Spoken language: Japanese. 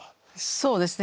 そうですね。